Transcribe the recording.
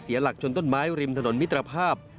หลักชนต้นไม้ริมถนนมิตรภาพ